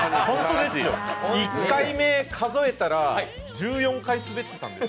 １回目数えたら１４回スベってたんです。